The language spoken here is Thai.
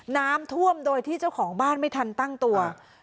น้ำท่วมโดยที่เจ้าของบ้านไม่ทันตั้งตัว